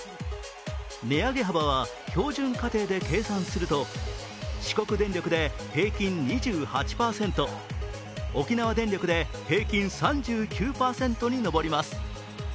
値上げ幅は標準家庭で計算すると四国電力で平均２８％、沖縄電力で平均３９％に上ります。